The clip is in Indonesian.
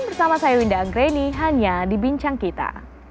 bersama saya winda anggreni hanya dibincang kita